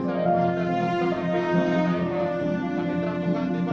serta diadili oleh hukum pembangunan